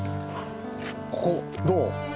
ここどう？